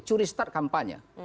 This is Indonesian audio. curi stat kampanye